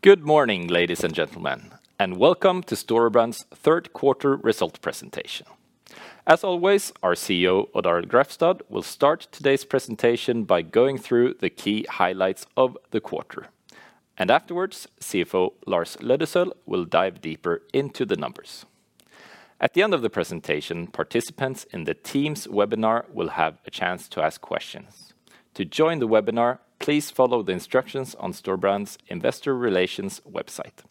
Good morning, ladies and gentlemen, and welcome to Storebrand's third quarter result presentation. As always, our CEO, Odd Arild Grefstad, will start today's presentation by going through the key highlights of the quarter, and afterwards, CFO Lars Løddesøl will dive deeper into the numbers. At the end of the presentation, participants in the Teams webinar will have a chance to ask questions. To join the webinar, please follow the instructions on Storebrand's investor relations website.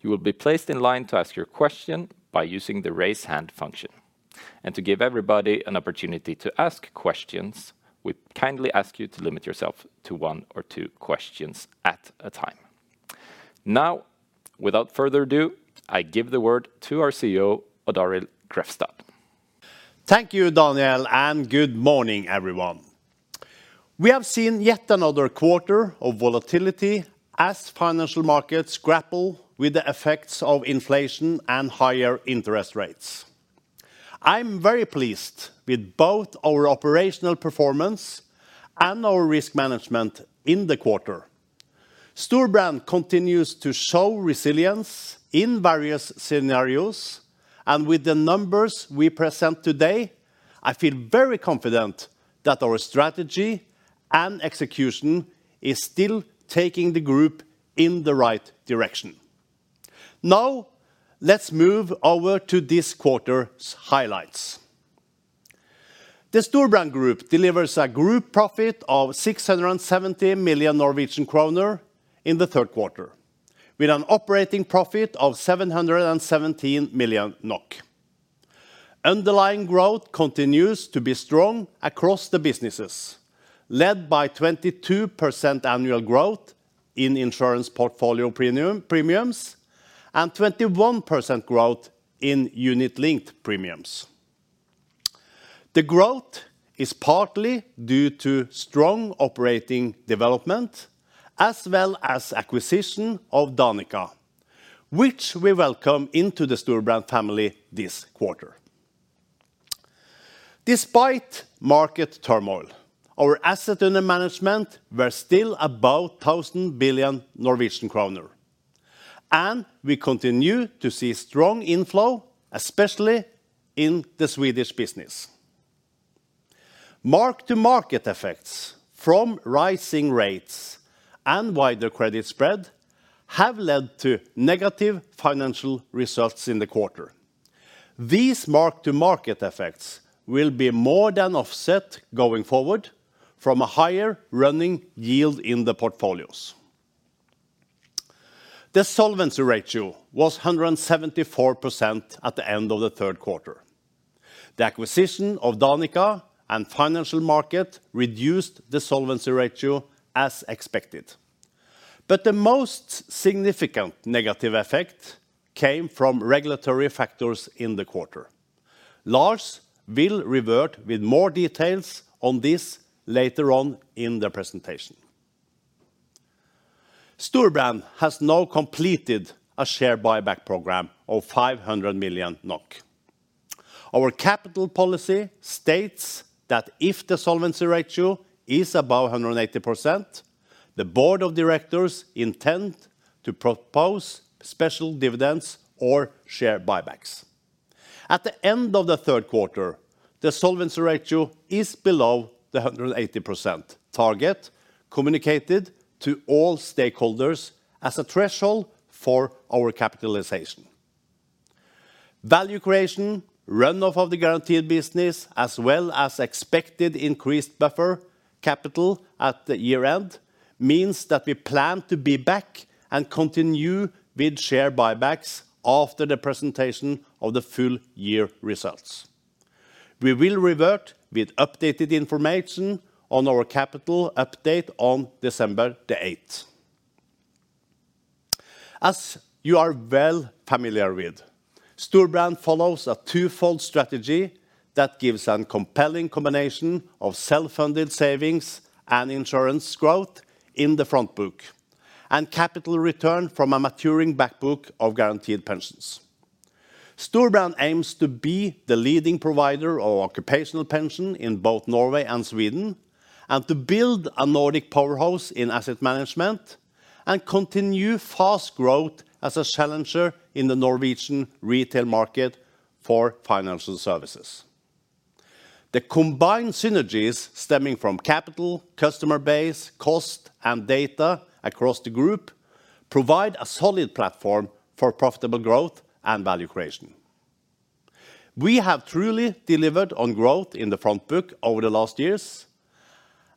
You will be placed in line to ask your question by using the raise hand function. To give everybody an opportunity to ask questions, we kindly ask you to limit yourself to one or two questions at a time. Now, without further ado, I give the word to our CEO, Odd Arild Grefstad. Thank you, Daniel, and good morning, everyone. We have seen yet another quarter of volatility as financial markets grapple with the effects of inflation and higher interest rates. I'm very pleased with both our operational performance and our risk management in the quarter. Storebrand continues to show resilience in various scenarios, and with the numbers we present today, I feel very confident that our strategy and execution is still taking the group in the right direction. Now, let's move over to this quarter's highlights. The Storebrand Group delivers a group profit of 670 million Norwegian kroner in the third quarter, with an operating profit of 717 million NOK. Underlying growth continues to be strong across the businesses, led by 22% annual growth in insurance portfolio premiums, and 21% growth in Unit Linked premiums. The growth is partly due to strong operating development as well as acquisition of Danica, which we welcome into the Storebrand family this quarter. Despite market turmoil, our assets under management were still above 1,000 billion Norwegian kroner, and we continue to see strong inflow, especially in the Swedish business. Mark-to-market effects from rising rates and wider credit spreads have led to negative financial results in the quarter. These mark-to-market effects will be more than offset going forward from a higher running yield in the portfolios. The solvency ratio was 174% at the end of the third quarter. The acquisition of Danica and financial markets reduced the solvency ratio as expected. The most significant negative effect came from regulatory factors in the quarter. Lars will revert with more details on this later on in the presentation. Storebrand has now completed a share buyback program of 500 million NOK. Our capital policy states that if the solvency ratio is above 180%, the board of directors intend to propose special dividends or share buybacks. At the end of the third quarter, the solvency ratio is below the 180% target communicated to all stakeholders as a threshold for our capitalization. Value creation, run off of the guaranteed business, as well as expected increased buffer capital at the year-end means that we plan to be back and continue with share buybacks after the presentation of the full year results. We will revert with updated information on our Capital Update on December the 8th. As you are well familiar with, Storebrand follows a two-fold strategy that gives a compelling combination of self-funded savings and insurance growth in the front book and capital return from a maturing back book of guaranteed pensions. Storebrand aims to be the leading provider of occupational pension in both Norway and Sweden and to build a Nordic powerhouse in asset management and continue fast growth as a challenger in the Norwegian retail market for financial services. The combined synergies stemming from capital, customer base, cost, and data across the group provide a solid platform for profitable growth and value creation. We have truly delivered on growth in the front book over the last years.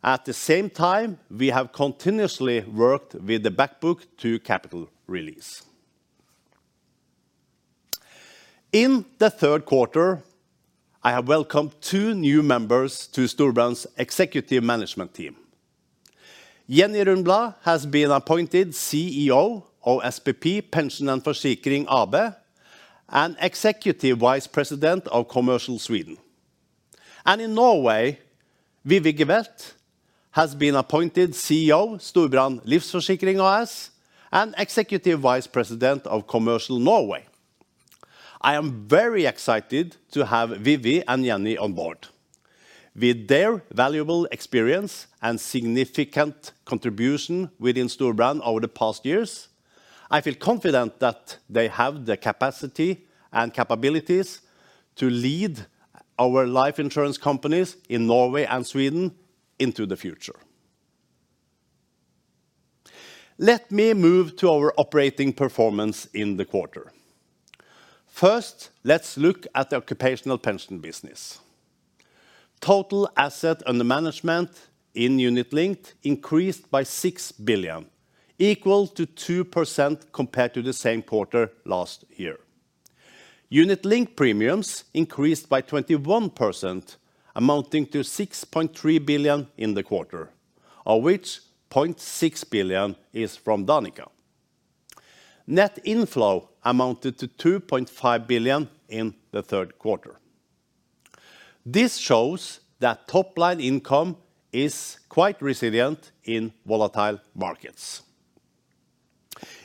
At the same time, we have continuously worked with the back book to capital release. In the third quarter, I have welcomed two new members to Storebrand's executive management team. Jenny Rundbladh has been appointed CEO of SPP Pension & Försäkring AB and Executive Vice President of Commercial Sweden. In Norway, Vivi Gevelt has been appointed CEO Storebrand Livsforsikring AS and Executive Vice President of Commercial Norway. I am very excited to have Vivi and Jenny on board. With their valuable experience and significant contribution within Storebrand over the past years, I feel confident that they have the capacity and capabilities to lead our life insurance companies in Norway and Sweden into the future. Let me move to our operating performance in the quarter. First, let's look at the occupational pension business. Total assets under management in Unit Linked increased by 6 billion, equal to 2% compared to the same quarter last year. Unit Linked premiums increased by 21%, amounting to 6.3 billion in the quarter, of which 0.6 billion is from Danica. Net inflow amounted to 2.5 billion in the third quarter. This shows that top line income is quite resilient in volatile markets.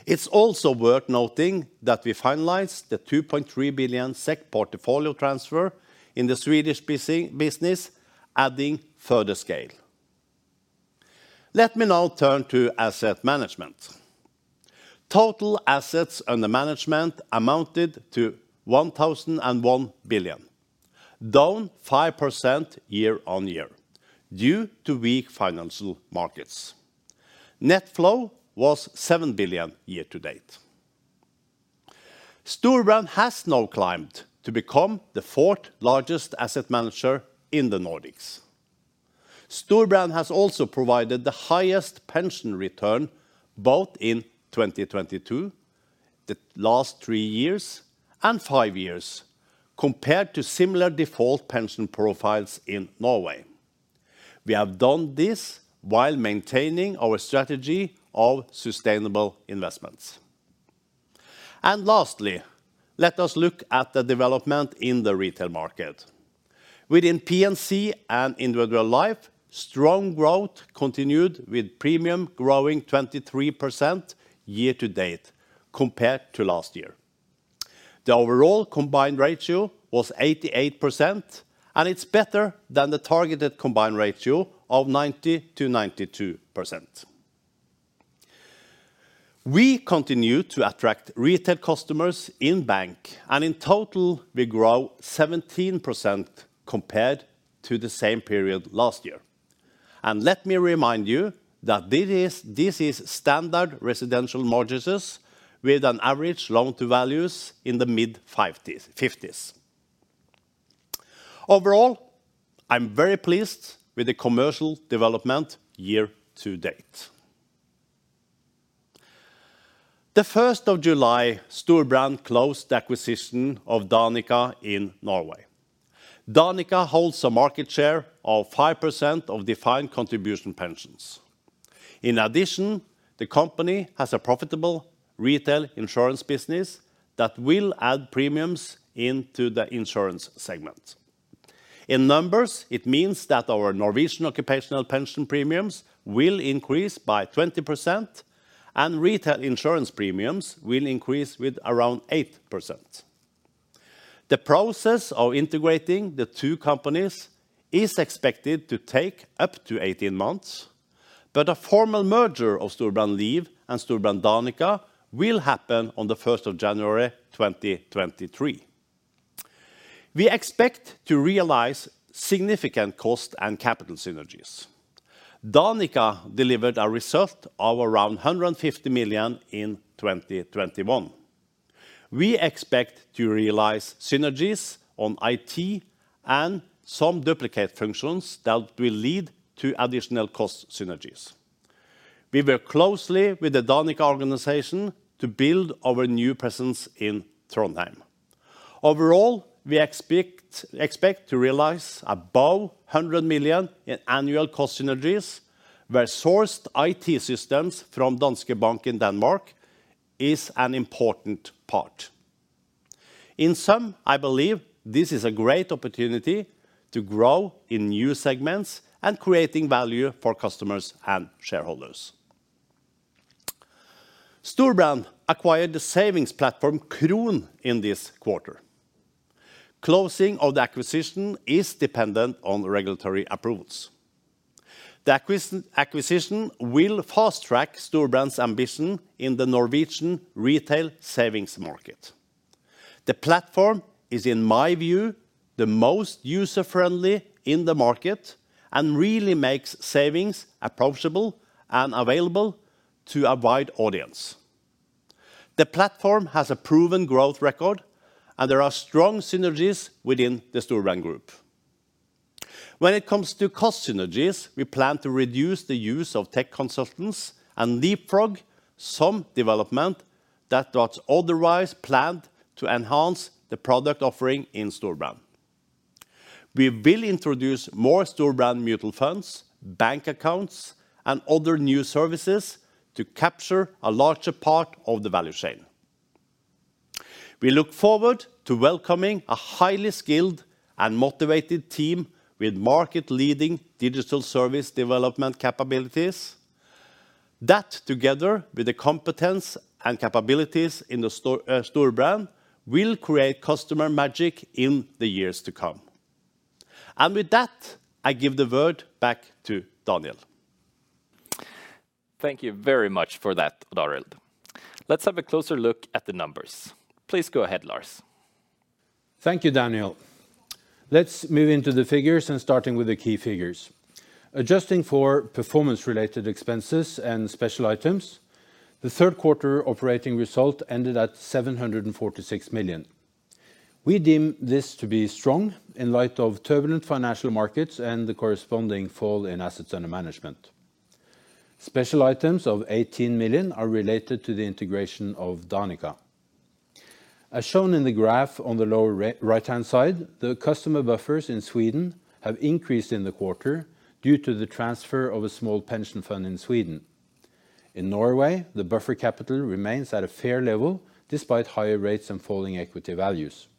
It's also worth noting that we finalized the NOK 2.3 billion SEK portfolio transfer in the Swedish business, adding further scale. Let me now turn to asset management. Total assets under management amounted to 1,001 billion, down 5% year-on-year due to weak financial markets. Net flow was 7 billion year-to-date. Storebrand has now climbed to become the fourth largest asset manager in the Nordics. Storebrand has also provided the highest pension return both in 2022, the last three years and five years compared to similar default pension profiles in Norway. We have done this while maintaining our strategy of sustainable investments. Lastly, let us look at the development in the retail market. Within P&C and individual life, strong growth continued with premium growing 23% year to date compared to last year. The overall combined ratio was 88%, and it's better than the targeted combined ratio of 90%-92%. We continue to attract retail customers in Bank, and in total we grow 17% compared to the same period last year. Let me remind you that this is standard residential mortgages with an average loan-to-value in the mid-50s. Overall, I'm very pleased with the commercial development year to date. The 1st of July, Storebrand closed the acquisition of Danica in Norway. Danica holds a market share of 5% of defined contribution pensions. In addition, the company has a profitable retail insurance business that will add premiums into the insurance segment. In numbers, it means that our Norwegian occupational pension premiums will increase by 20%, and retail insurance premiums will increase with around 8%. The process of integrating the two companies is expected to take up to 18 months, but a formal merger of Storebrand Liv and Storebrand Danica will happen on the 1st of January 2023. We expect to realize significant cost and capital synergies. Danica delivered a result of around 150 million in 2021. We expect to realize synergies on IT and some duplicate functions that will lead to additional cost synergies. We work closely with the Danica organization to build our new presence in Trondheim. Overall, we expect to realize above 100 million in annual cost synergies where sourced IT systems from Danske Bank in Denmark is an important part. In sum, I believe this is a great opportunity to grow in new segments and creating value for customers and shareholders. Storebrand acquired the savings platform Kron in this quarter. Closing of the acquisition is dependent on regulatory approvals. The acquisition will fast-track Storebrand's ambition in the Norwegian retail savings market. The platform is, in my view, the most user-friendly in the market and really makes savings approachable and available to a wide audience. The platform has a proven growth record, and there are strong synergies within the Storebrand group. When it comes to cost synergies, we plan to reduce the use of tech consultants and leapfrog some development that was otherwise planned to enhance the product offering in Storebrand. We will introduce more Storebrand mutual funds, bank accounts, and other new services to capture a larger part of the value chain. We look forward to welcoming a highly skilled and motivated team with market leading digital service development capabilities. That together with the competence and capabilities in the Storebrand will create customer magic in the years to come. With that, I give the word back to Daniel. Thank you very much for that, Odd Arild. Let's have a closer look at the numbers. Please go ahead, Lars. Thank you, Daniel. Let's move into the figures, starting with the key figures. Adjusting for performance related expenses and special items, the third quarter operating result ended at 746 million. We deem this to be strong in light of turbulent financial markets and the corresponding fall in assets under management. Special items of 18 million are related to the integration of Danica. As shown in the graph on the lower right-hand side, the customer buffers in Sweden have increased in the quarter due to the transfer of a small pension fund in Sweden. In Norway, the buffer capital remains at a fair level despite higher rates and falling equity values.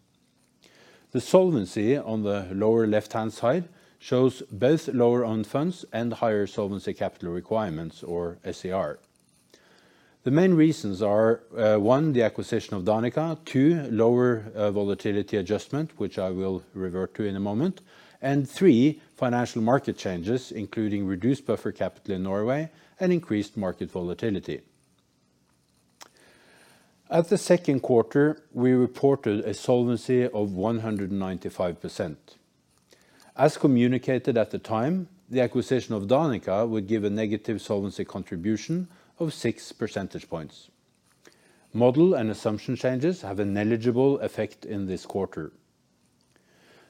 The solvency on the lower left-hand side shows both lower own funds and higher solvency capital requirements, or SCR. The main reasons are, one, the acquisition of Danica, two, lower volatility adjustment, which I will revert to in a moment, and three, financial market changes, including reduced buffer capital in Norway and increased market volatility. At the second quarter, we reported a solvency of 195%. As communicated at the time, the acquisition of Danica would give a negative solvency contribution of 6 percentage points. Model and assumption changes have a negligible effect in this quarter.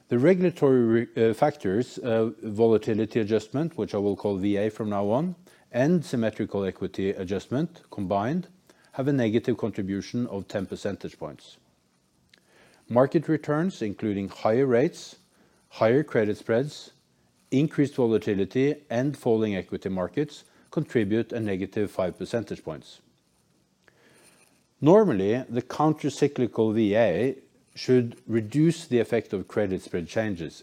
The regulatory factors, volatility adjustment, which I will call VA from now on, and symmetrical equity adjustment combined have a negative contribution of -10 percentage points. Market returns, including higher rates, higher credit spreads, increased volatility, and falling equity markets contribute a -5 percentage points. Normally, the counter cyclical VA should reduce the effect of credit spread changes.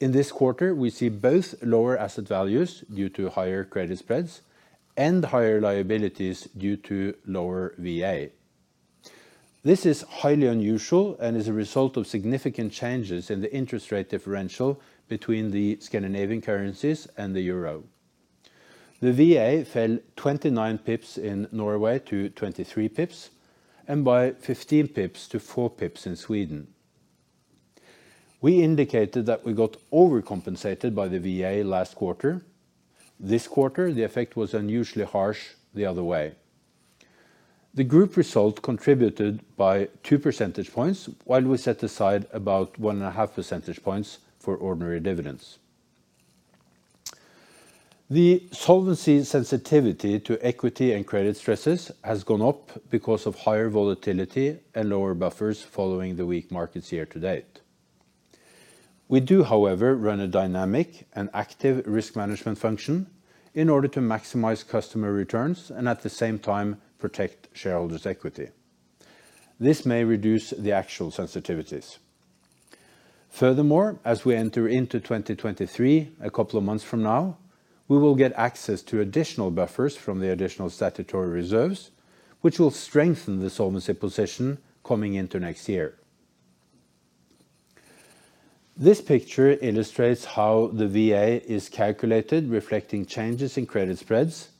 In this quarter, we see both lower asset values due to higher credit spreads and higher liabilities due to lower VA. This is highly unusual and is a result of significant changes in the interest rate differential between the Scandinavian currencies and the euro. The VA fell 29 bps in Norway to 23 bps, and by 15 bps-4 bps in Sweden. We indicated that we got overcompensated by the VA last quarter. This quarter, the effect was unusually harsh the other way. The group result contributed by 2 percentage points while we set aside about 1.5 percentage points for ordinary dividends. The solvency sensitivity to equity and credit stresses has gone up because of higher volatility and lower buffers following the weak markets year to date. We do, however, run a dynamic and active risk management function in order to maximize customer returns and, at the same time, protect shareholders' equity. This may reduce the actual sensitivities. Furthermore, as we enter into 2023 a couple of months from now, we will get access to additional buffers from the additional statutory reserves, which will strengthen the solvency position coming into next year. This picture illustrates how the VA is calculated, reflecting changes in credit spreads,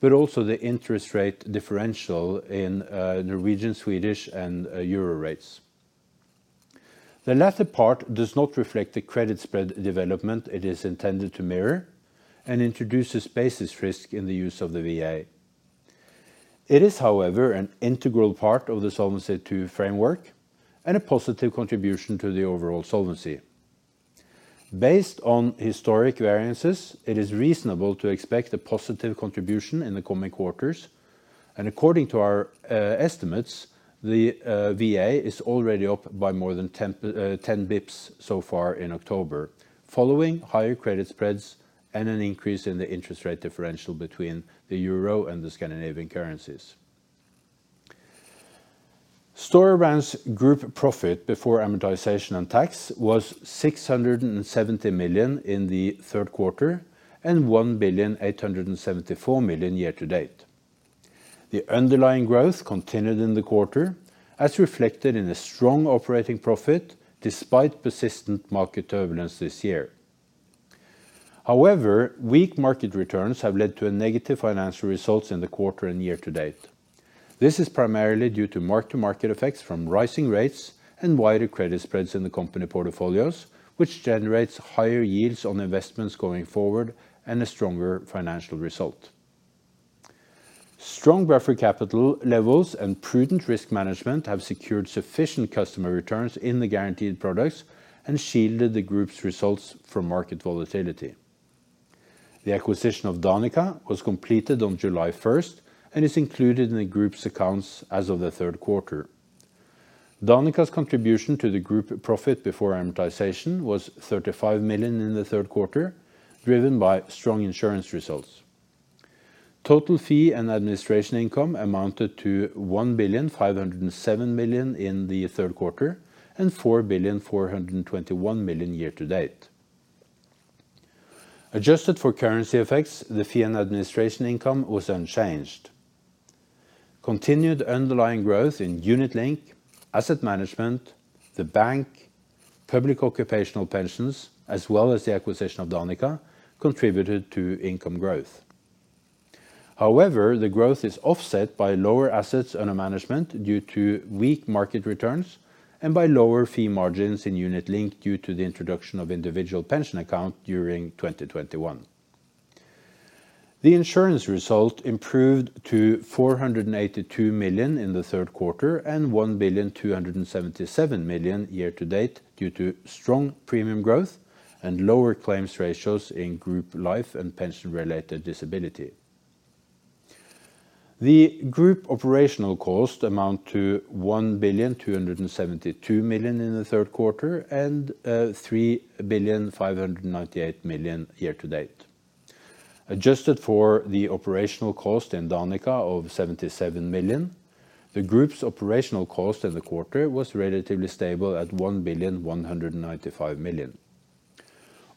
but also the interest rate differential in Norwegian, Swedish, and euro rates. The latter part does not reflect the credit spread development it is intended to mirror and introduces basis risk in the use of the VA. It is, however, an integral part of the Solvency II framework and a positive contribution to the overall solvency. Based on historic variances, it is reasonable to expect a positive contribution in the coming quarters. According to our estimates, the VA is already up by more than 10 bps so far in October, following higher credit spreads and an increase in the interest rate differential between the euro and the Scandinavian currencies. Storebrand's group profit before amortization and tax was 670 million in the third quarter and 1,874 million year to date. The underlying growth continued in the quarter, as reflected in a strong operating profit despite persistent market turbulence this year. However, weak market returns have led to a negative financial results in the quarter and year to date. This is primarily due to mark-to-market effects from rising rates and wider credit spreads in the company portfolios, which generates higher yields on investments going forward and a stronger financial result. Strong buffer capital levels and prudent risk management have secured sufficient customer returns in the guaranteed products and shielded the group's results from market volatility. The acquisition of Danica was completed on July 1st and is included in the group's accounts as of the third quarter. Danica's contribution to the group profit before amortization was 35 million in the third quarter, driven by strong insurance results. Total fee and administration income amounted to 1,507 million in the third quarter and 4,421 million year to date. Adjusted for currency effects, the fee and administration income was unchanged. Continued underlying growth in Unit Linked, asset management, the bank, public occupational pensions, as well as the acquisition of Danica, contributed to income growth. However, the growth is offset by lower assets under management due to weak market returns and by lower fee margins in Unit Linked due to the introduction of individual pension account during 2021. The insurance result improved to 482 million in the third quarter and 1,277 million year to date due to strong premium growth and lower claims ratios in group life and pension related disability. The group operational cost amount to 1,272 million in the third quarter and 3,598 million year to date. Adjusted for the operational cost in Danica of 77 million, the group's operational cost in the quarter was relatively stable at 1,195 million.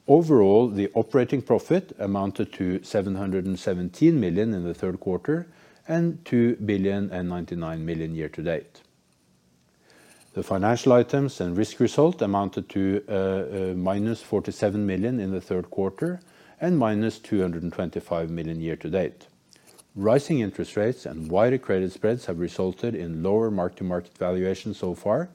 Overall, the operating profit amounted to 717 million in the third quarter and 2,099 million year to date. The financial items and risk result amounted to -47 million in the third quarter and -225 million year to date. Rising interest rates and wider credit spreads have resulted in lower mark-to-market valuation so far,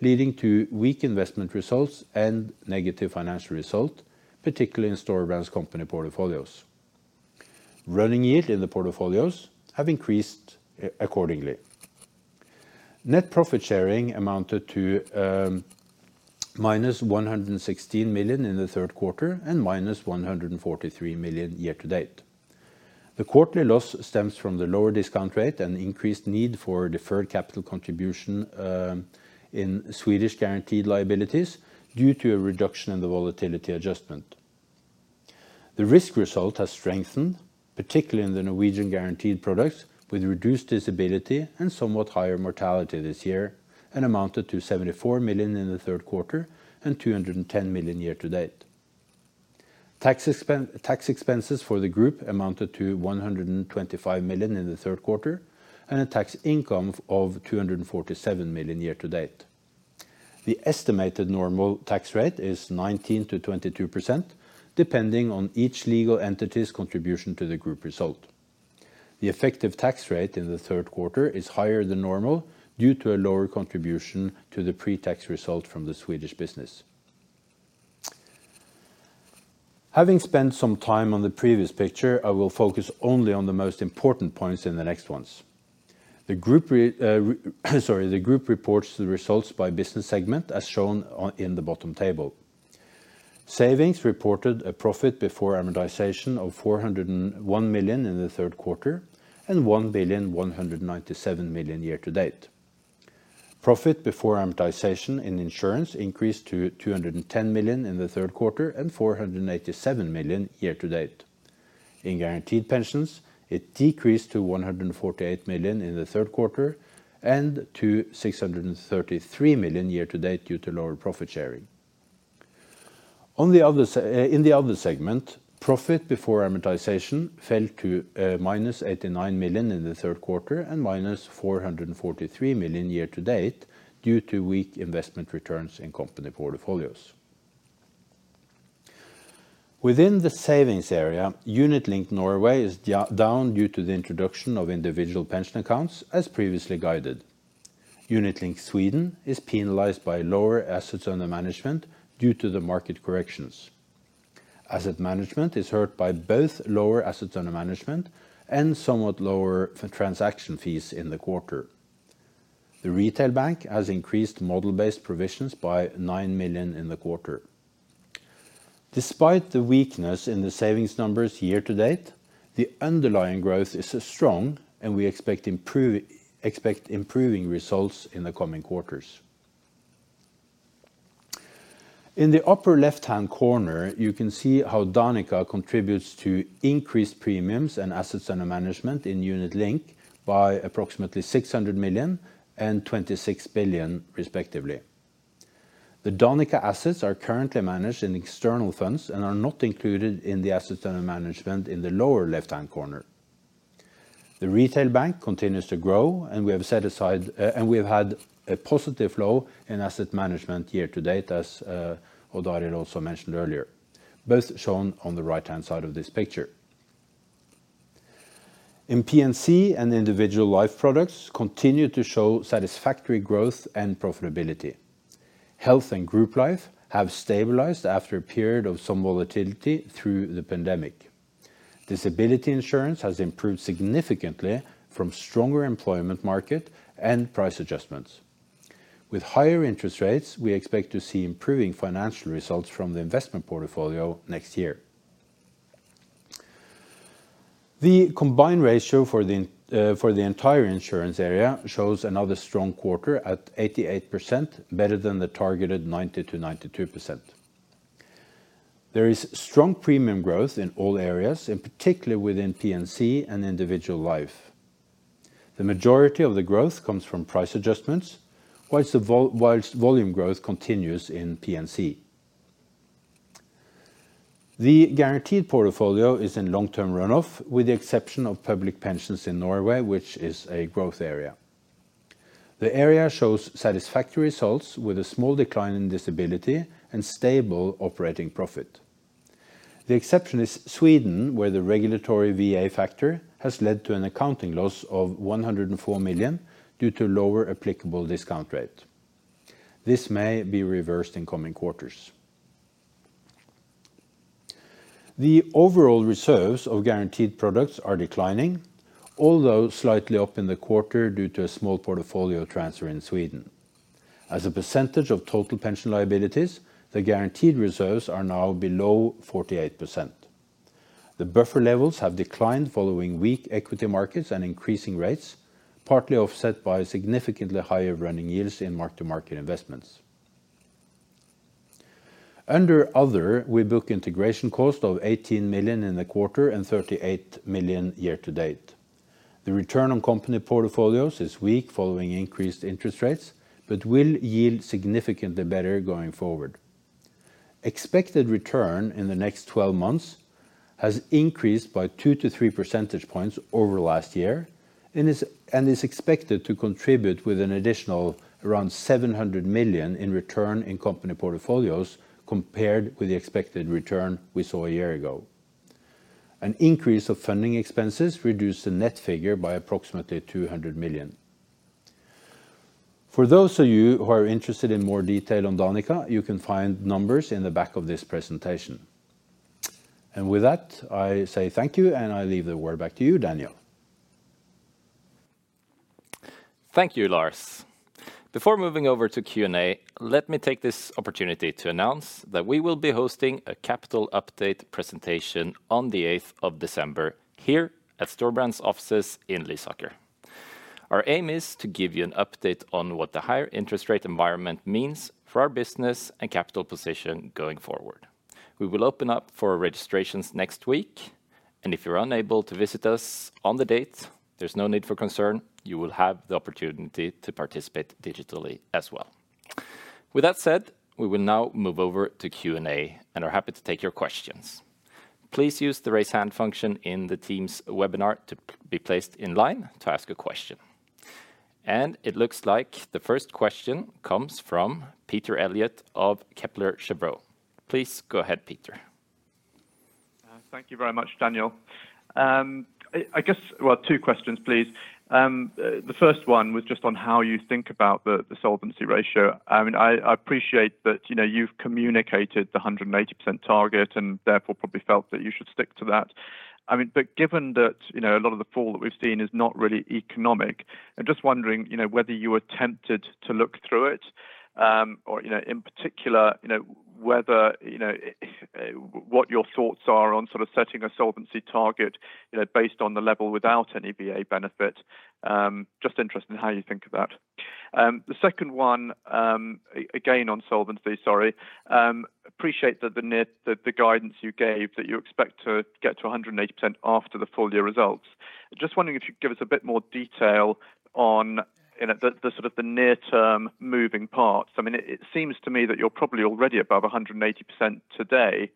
leading to weak investment results and negative financial result, particularly in Storebrand's company portfolios. Running yield in the portfolios have increased accordingly. Net profit sharing amounted to -116 million in the third quarter and -143 million year to date. The quarterly loss stems from the lower discount rate and increased need for deferred capital contribution in Swedish guaranteed liabilities due to a reduction in the volatility adjustment. The risk result has strengthened, particularly in the Norwegian guaranteed products with reduced disability and somewhat higher mortality this year and amounted to 74 million in the third quarter and 210 million year to date. Tax expenses for the group amounted to 125 million in the third quarter and a tax income of 247 million year to date. The estimated normal tax rate is 19%-22%, depending on each legal entity's contribution to the group result. The effective tax rate in the third quarter is higher than normal due to a lower contribution to the pre-tax result from the Swedish business. Having spent some time on the previous picture, I will focus only on the most important points in the next ones. The group reports the results by business segment as shown in the bottom table. Savings reported a profit before amortization of 401 million in the third quarter and 1,197 million year to date. Profit before amortization and insurance increased to 210 million in the third quarter and 487 million year to date. In guaranteed pensions, it decreased to 148 million in the third quarter and to 633 million year to date due to lower profit sharing. In the other segment, profit before amortization fell to -89 million in the third quarter and -443 million year to date due to weak investment returns in company portfolios. Within the savings area, unit link Norway is down due to the introduction of individual pension accounts as previously guided. Unit link Sweden is penalized by lower assets under management due to the market corrections. Asset management is hurt by both lower assets under management and somewhat lower transaction fees in the quarter. The retail bank has increased model-based provisions by 9 million in the quarter. Despite the weakness in the savings numbers year to date, the underlying growth is strong and we expect improving results in the coming quarters. In the upper left-hand corner, you can see how Danica contributes to increased premiums and assets under management in Unit Linked by approximately 600 million and 26 billion, respectively. The Danica assets are currently managed in external funds and are not included in the assets under management in the lower left-hand corner. The retail bank continues to grow, and we've had a positive flow in asset management year to date, as Odd Arild here also mentioned earlier, both shown on the right-hand side of this picture. In P&C and individual life products continue to show satisfactory growth and profitability. Health and group life have stabilized after a period of some volatility through the pandemic. Disability insurance has improved significantly from stronger employment market and price adjustments. With higher interest rates, we expect to see improving financial results from the investment portfolio next year. The combined ratio for the entire insurance area shows another strong quarter at 88%, better than the targeted 90%-92%. There is strong premium growth in all areas, in particular within P&C and individual life. The majority of the growth comes from price adjustments, while volume growth continues in P&C. The guaranteed portfolio is in long-term run-off, with the exception of public pensions in Norway, which is a growth area. The area shows satisfactory results with a small decline in disability and stable operating profit. The exception is Sweden, where the regulatory VA factor has led to an accounting loss of 104 million due to lower applicable discount rate. This may be reversed in coming quarters. The overall reserves of guaranteed products are declining, although slightly up in the quarter due to a small portfolio transfer in Sweden. As a percentage of total pension liabilities, the guaranteed reserves are now below 48%. The buffer levels have declined following weak equity markets and increasing rates, partly offset by significantly higher running yields in mark-to-market investments. Under other, we book integration cost of 18 million in the quarter and 38 million year to date. The return on company portfolios is weak following increased interest rates, but will yield significantly better going forward. Expected return in the next 12 months has increased by 2-3 percentage points over last year and is expected to contribute with an additional around 700 million in return in company portfolios compared with the expected return we saw a year ago. An increase of funding expenses reduced the net figure by approximately 200 million. For those of you who are interested in more detail on Danica, you can find numbers in the back of this presentation. With that, I say thank you, and I leave the word back to you, Daniel. Thank you, Lars. Before moving over to Q&A, let me take this opportunity to announce that we will be hosting a Capital Update presentation on the 8th of December here at Storebrand's offices in Lysaker. Our aim is to give you an update on what the higher interest rate environment means for our business and capital position going forward. We will open up for registrations next week, and if you're unable to visit us on the date, there's no need for concern. You will have the opportunity to participate digitally as well. With that said, we will now move over to Q&A and are happy to take your questions. Please use the raise hand function in the team's webinar to be placed in line to ask a question. It looks like the first question comes from Peter Eliot of Kepler Cheuvreux. Please go ahead, Peter. Thank you very much, Daniel. I guess, well, two questions, please. The first one was just on how you think about the solvency ratio. I mean, I appreciate that, you know, you've communicated the 180% target and therefore probably felt that you should stick to that. I mean, but given that, you know, a lot of the fall that we've seen is not really economic, I'm just wondering, you know, whether you are tempted to look through it, or, you know, in particular, you know, whether, you know, what your thoughts are on sort of setting a solvency target, you know, based on the level without any VA benefit. Just interested in how you think of that? The second one, again, on solvency. Appreciate that the guidance you gave that you expect to get to 180% after the full-year results. Just wondering if you could give us a bit more detail on the sort of the near-term moving parts. I mean, it seems to me that you're probably already above 180% today,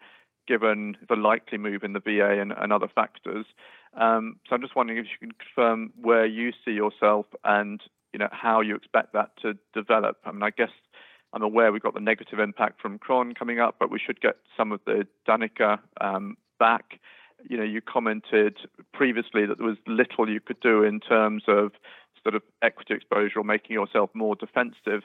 given the likely move in the VA and other factors. So I'm just wondering if you can confirm where you see yourself and, you know, how you expect that to develop? I mean, I guess I'm aware we've got the negative impact from Kron coming up, but we should get some of the Danica back. You know, you commented previously that there was little you could do in terms of sort of equity exposure or making yourself more defensive.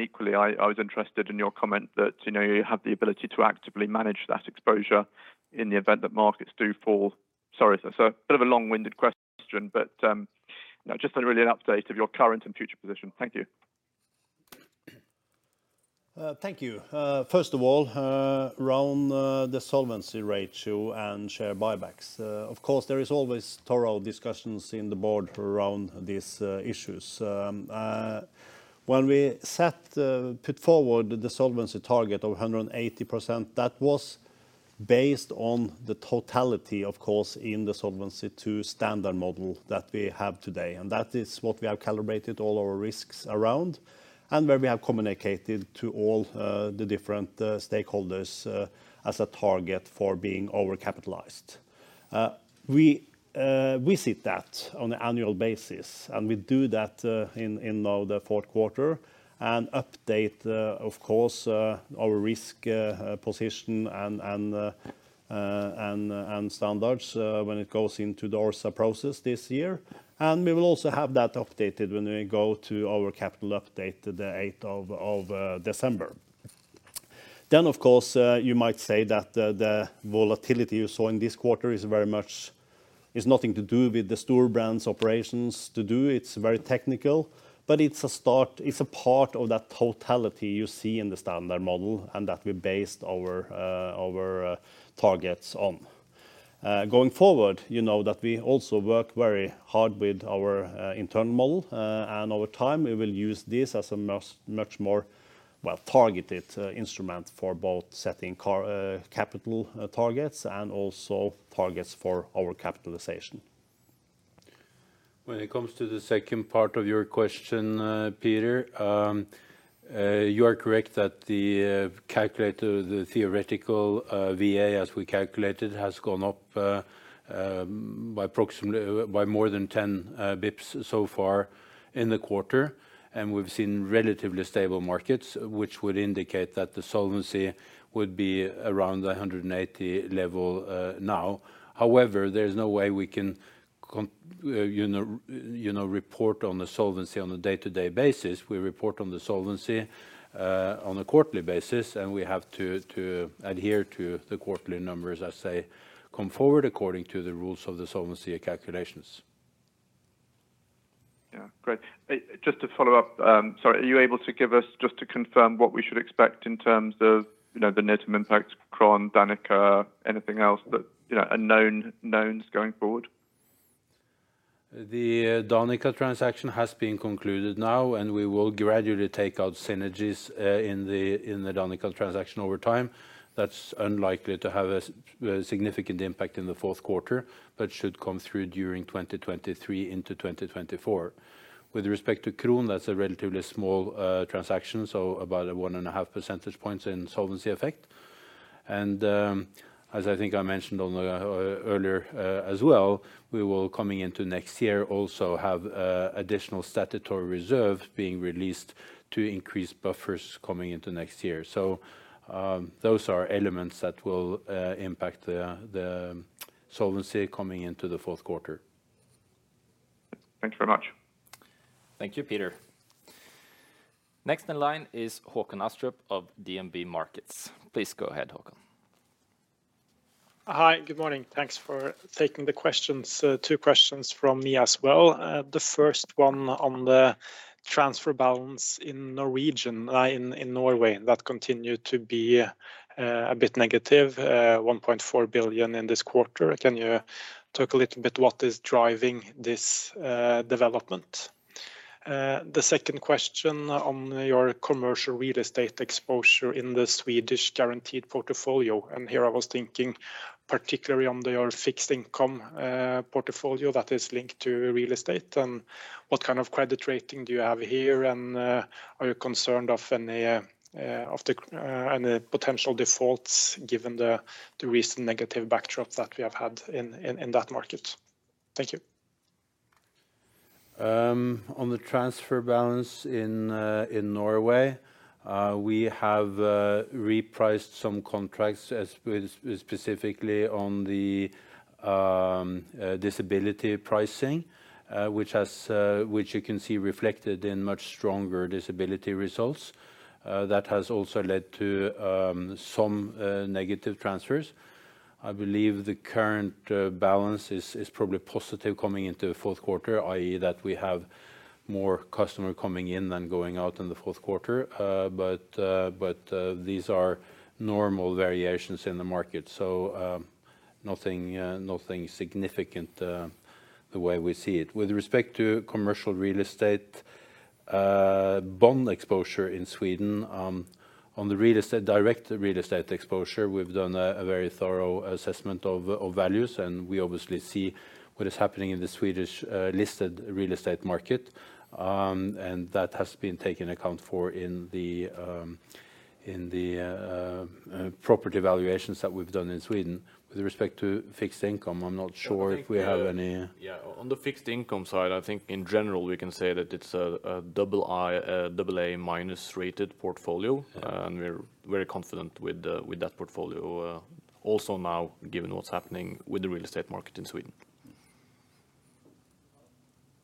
Equally, I was interested in your comment that, you know, you have the ability to actively manage that exposure in the event that markets do fall. Sorry, a bit of a long-winded question, but just really an update of your current and future position? Thank you. Thank you. First of all, around the solvency ratio and share buybacks. Of course, there is always thorough discussions in the board around these issues. When we put forward the solvency target of 180%, that was based on the totality, of course, in the Solvency II standard model that we have today. That is what we have calibrated all our risks around and where we have communicated to all the different stakeholders as a target for being overcapitalized. We visit that on an annual basis, and we do that in the fourth quarter and update, of course, our risk position and standards when it goes into the ORSA process this year. We will also have that updated when we go to our Capital Update the 8th of December. Of course, you might say that the volatility you saw in this quarter is very much nothing to do with Storebrand's operations. It's very technical, but it's a start. It's a part of that totality you see in the standard model and that we based our targets on. Going forward, you know that we also work very hard with our internal model, and over time, we will use this as a much more, well, targeted instrument for both setting capital targets and also targets for our capitalization. When it comes to the second part of your question, Peter, you are correct that the calculator, the theoretical VA, as we calculated, has gone up by approximately more than 10 basis points so far in the quarter, and we've seen relatively stable markets which would indicate that the solvency would be around the 180% level now. However, there's no way we can, you know, report on the solvency on a day-to-day basis. We report on the solvency on a quarterly basis, and we have to adhere to the quarterly numbers as they come forward according to the rules of the solvency calculations. Yeah. Great. Just to follow up, sorry, are you able to give us just to confirm what we should expect in terms of, you know, the net impact, Kron, Danica, anything else that, you know, are known knowns going forward? The Danica transaction has been concluded now, and we will gradually take out synergies in the Danica transaction over time. That's unlikely to have a significant impact in the fourth quarter, but should come through during 2023 into 2024. With respect to Kron, that's a relatively small transaction, so about 1.5 percentage points in solvency effect. As I think I mentioned on the earlier, as well, we will coming into next year also have additional statutory reserve being released to increase buffers coming into next year. Those are elements that will impact the solvency coming into the fourth quarter. Thank you very much. Thank you, Peter. Next in line is Håkon Astrup of DNB Markets. Please go ahead, Håkon. Hi, good morning. Thanks for taking the questions. Two questions from me as well. The first one on the transfer balance in Norway that continued to be a bit negative, 1.4 billion in this quarter. Can you talk a little bit what is driving this development? The second question on your commercial real estate exposure in the Swedish guaranteed portfolio, and here I was thinking particularly on your fixed income portfolio that is linked to real estate and what kind of credit rating do you have here and are you concerned of any potential defaults given the recent negative backdrops that we have had in that market? Thank you. On the transfer balance in Norway, we have repriced some contracts as with specifically on the disability pricing, which you can see reflected in much stronger disability results. That has also led to some negative transfers. I believe the current balance is probably positive coming into the fourth quarter, i.e., that we have more customer coming in than going out in the fourth quarter. These are normal variations in the market. Nothing significant the way we see it. With respect to commercial real estate bond exposure in Sweden, on the real estate, direct real estate exposure, we've done a very thorough assessment of values, and we obviously see what is happening in the Swedish listed real estate market. That has been taken into account in the property valuations that we've done in Sweden. With respect to fixed income, I'm not sure if we have any. Yeah. On the fixed income side, I think in general, we can say that it's a double A minus rated portfolio, and we're very confident with that portfolio, also now given what's happening with the real estate market in Sweden.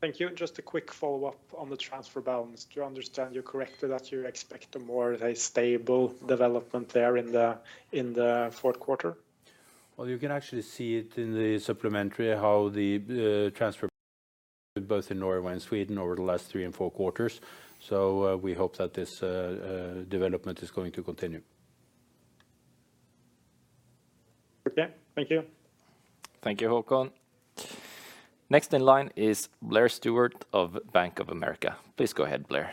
Thank you. Just a quick follow-up on the transfer balance. Do I understand you correctly that you expect a more stable development there in the fourth quarter? Well, you can actually see it in the supplementary how the transfer both in Norway and Sweden over the last three and four quarters. We hope that this development is going to continue. Okay. Thank you. Thank you, Håkon. Next in line is Blair Stewart of Bank of America. Please go ahead, Blair.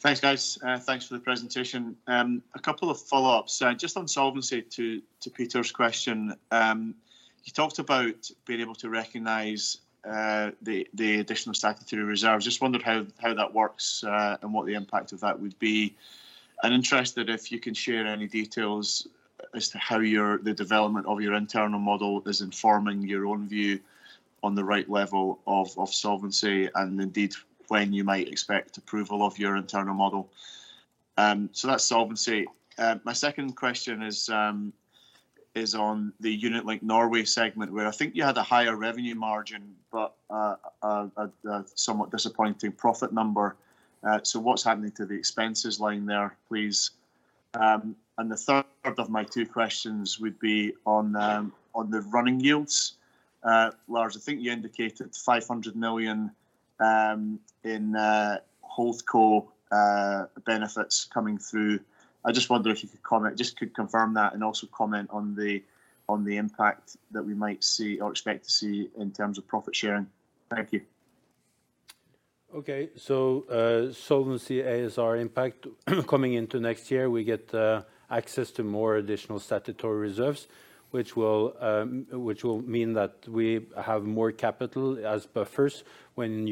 Thanks, guys. Thanks for the presentation. A couple of follow-ups. Just on solvency to Peter's question. You talked about being able to recognize the additional statutory reserves. Just wondered how that works and what the impact of that would be. I'm interested if you can share any details as to how the development of your internal model is informing your own view on the right level of solvency, and indeed, when you might expect approval of your internal model? So that's solvency. My second question is on the Unit Link Norway segment, where I think you had a higher revenue margin, but a somewhat disappointing profit number. So what's happening to the expenses lying there, please? The third of my two questions would be on the running yields. Lars, I think you indicated 500 million in HoldCo benefits coming through. I just wonder if you could just confirm that, and also comment on the impact that we might see or expect to see in terms of profit sharing? Thank you. Okay. Solvency ASR impact coming into next year, we get access to more additional statutory reserves, which will mean that we have more capital as buffers when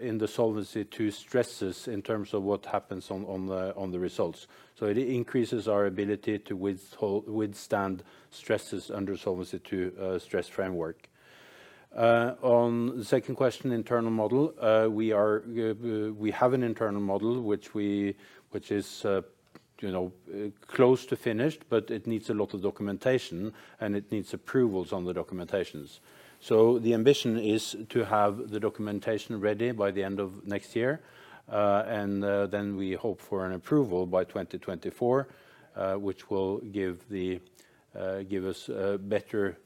in the Solvency II stresses in terms of what happens on the results. It increases our ability to withstand stresses under Solvency II stress framework. On the second question, internal model, we have an internal model which is you know close to finished, but it needs a lot of documentation, and it needs approvals on the documentations. The ambition is to have the documentation ready by the end of next year, and then we hope for an approval by 2024, which will give us a better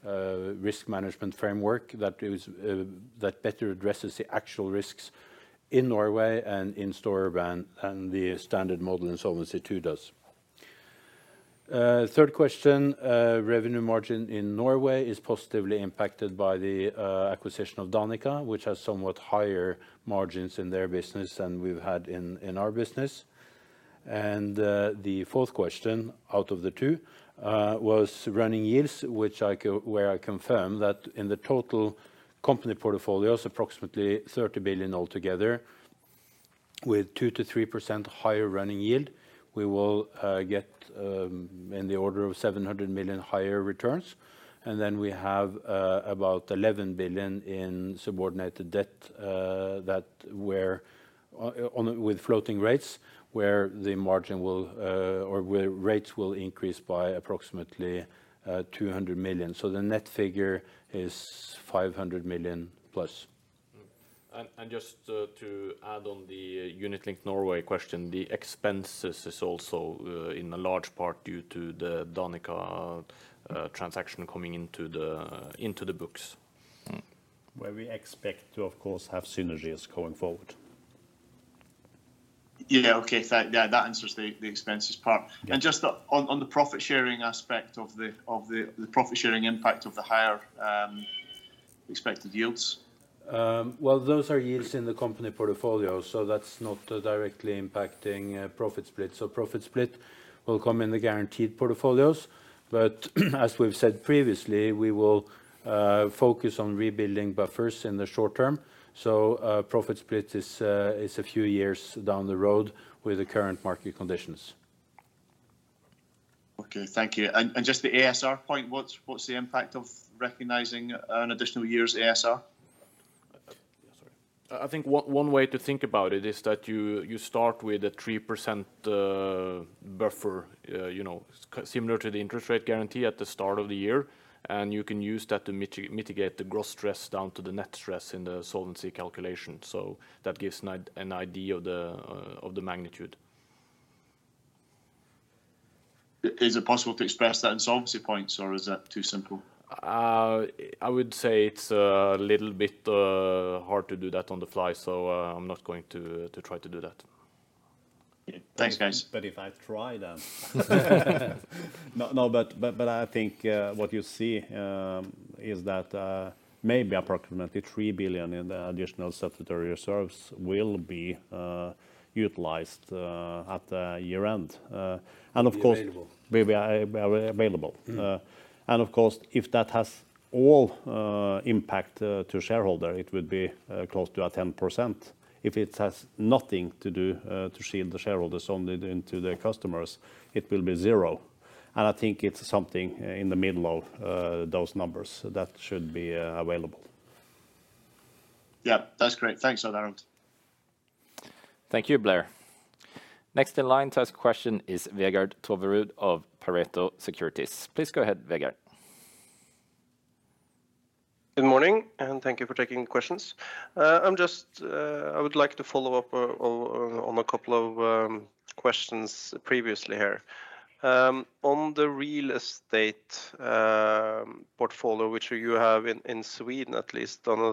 risk management framework that better addresses the actual risks in Norway and in Storebrand and the standard model in Solvency II does. Third question, revenue margin in Norway is positively impacted by the acquisition of Danica, which has somewhat higher margins in their business than we've had in our business. The fourth question out of the two was running yields, where I confirm that in the total company portfolios, approximately 30 billion altogether, with 2%-3% higher running yield, we will get in the order of 700 million higher returns. We have about 11 billion in subordinated debt that where with floating rates, where the margin will or where rates will increase by approximately 200 million. The net figure is 500 million plus. Just to add on the Unit Linked Norway question, the expenses is also in a large part due to the Danica transaction coming into the books. Where we expect to, of course, have synergies going forward. Yeah. Okay. Yeah, that answers the expenses part. Yeah. Just on the profit sharing aspect of the profit sharing impact of the higher expected yields. Well, those are yields in the company portfolio, so that's not directly impacting profit split. Profit split will come in the guaranteed portfolios. As we've said previously, we will focus on rebuilding buffers in the short term. Profit split is a few years down the road with the current market conditions. Okay. Thank you. Just the ASR point, what's the impact of recognizing an additional year's ASR? Sorry. I think one way to think about it is that you start with a 3% buffer, you know, similar to the interest rate guarantee at the start of the year, and you can use that to mitigate the gross stress down to the net stress in the solvency calculation. That gives an idea of the magnitude. Is it possible to express that in solvency points or is that too simple? I would say it's a little bit hard to do that on the fly, so I'm not going to try to do that. Thanks, guys. No, but I think what you see is that maybe approximately 3 billion in the additional statutory reserves will be utilized at year-end. Be available. Will be available. Of course, if that has all impact to shareholder, it would be close to 10%. If it has nothing to do to shield the shareholders only into their customers, it will be 0%. I think it's something in the middle of those numbers that should be available. Yeah, that's great. Thanks a lot. Thank you, Blair. Next in line to ask a question is Vegard Toverud of Pareto Securities. Please go ahead, Vegard. Good morning, and thank you for taking questions. I'm just I would like to follow up on a couple of questions previously here. On the real estate portfolio, which you have in Sweden, at least done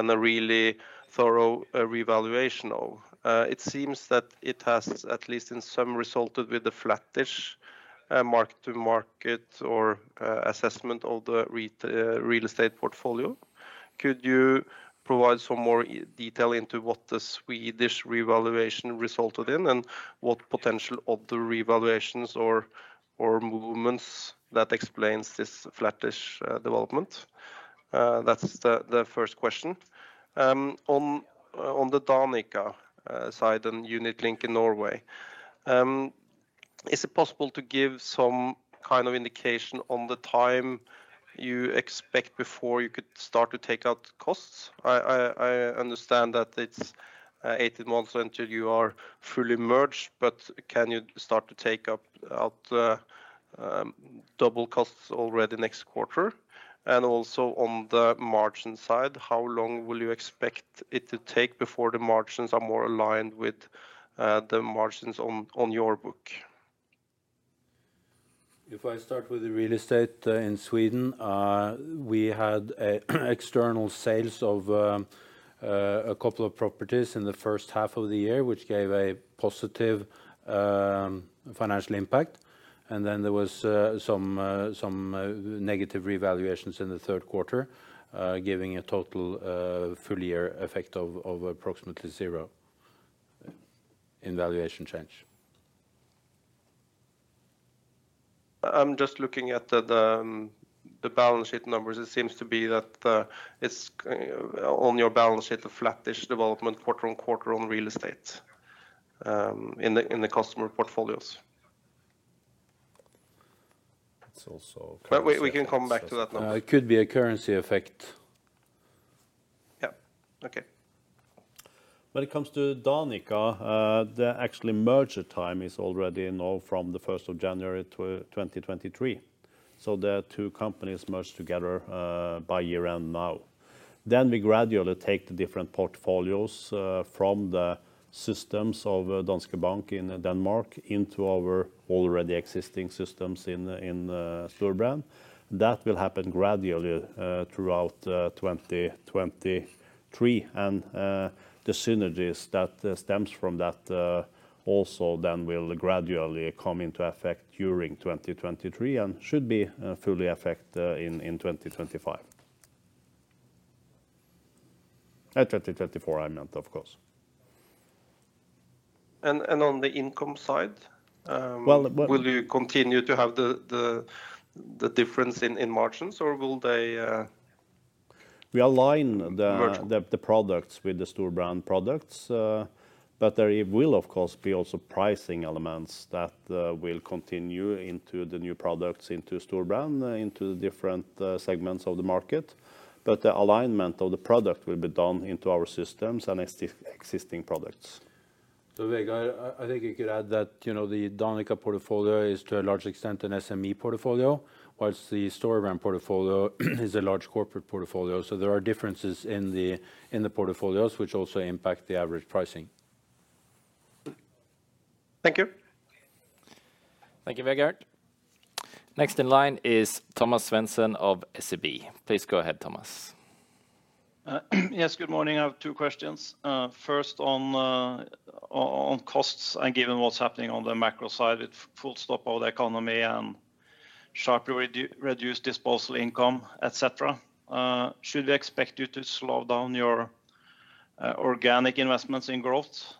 a really thorough revaluation of. It seems that it has at least in some resulted with a flattish mark to market or assessment of the real estate portfolio. Could you provide some more detail into what the Swedish revaluation resulted in, and what potential of the revaluations or movements that explains this flattish development? That's the first question. On the Danica side and Unit Link in Norway, is it possible to give some kind of indication on the time you expect before you could start to take out costs? I understand that it's 18 months until you are fully merged, but can you start to take out the double costs already next quarter? Also on the margin side, how long will you expect it to take before the margins are more aligned with the margins on your book? If I start with the real estate in Sweden, we had external sales of a couple of properties in the first half of the year, which gave a positive financial impact. Then there was some negative revaluations in the third quarter, giving a total full year effect of approximately zero in valuation change. I'm just looking at the balance sheet numbers. It seems to be that it's on your balance sheet, a flattish development quarter-on-quarter on real estate in the customer portfolios. It's also currency. We can come back to that now. It could be a currency effect. Yeah. Okay. When it comes to Danica, the actual merger time is already now from the 1st of January 2023. The two companies merged together by year end now. We gradually take the different portfolios from the systems of Danske Bank in Denmark into our already existing systems in Storebrand. That will happen gradually throughout 2023. The synergies that stems from that also then will gradually come into effect during 2023 and should be fully effect in 2025. 2024, I meant, of course. On the income side. Well, well Will you continue to have the difference in margins or will they- We align the- Merge? the products with the Storebrand products. There it will of course be also pricing elements that will continue into the new products into Storebrand, into the different segments of the market. The alignment of the product will be done into our systems and existing products. Vegard, I think you could add that, you know, the Danica portfolio is to a large extent an SME portfolio, while the Storebrand portfolio is a large corporate portfolio. There are differences in the portfolios which also impact the average pricing. Thank you. Thank you, Vegard. Next in line is Thomas Svendsen of SEB. Please go ahead, Thomas. Yes, good morning. I have two questions. First on costs and given what's happening on the macro side with full stop of the economy and sharply reduced disposable income, et cetera, should we expect you to slow down your organic investments in growth